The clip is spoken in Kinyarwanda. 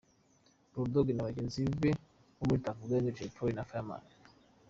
Bull Dogg na bagenzi be bo muri Tuff Gang, Jay Polly na Fireman.